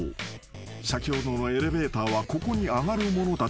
［先ほどのエレベーターはここに上がるものだったのだ］